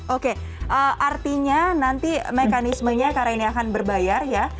oke artinya nanti mekanismenya karena ini akan berbayar ya